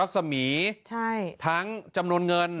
สมีทั้งจำนวนเงิน